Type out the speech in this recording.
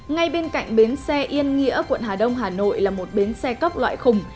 ngay bên cạnh bến xe yên nghĩa quận hà đông hà nội là một bến xe cốc loại khùng